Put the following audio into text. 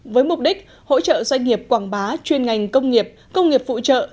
với mục đích hỗ trợ doanh nghiệp quảng bá chuyên ngành công nghiệp công nghiệp phụ trợ